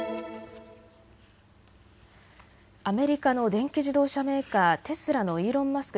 アメリカの電気自動車メーカー、テスラのイーロン・マスク